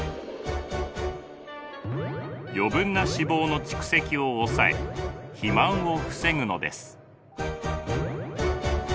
余分な脂肪の蓄積を抑え肥満を防ぐのです。